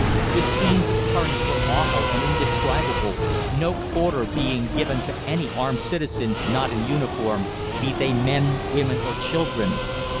The scenes of carnage were awful and indescribable, no quarter being given to any armed citizens not in uniform, be they men, women, or children.